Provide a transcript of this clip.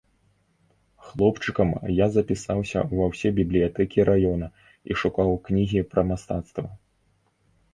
Хлопчыкам я запісаўся ва ўсе бібліятэкі раёна і шукаў кнігі пра мастацтва.